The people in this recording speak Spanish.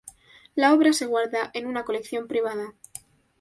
La obra se guarda en una colección privada.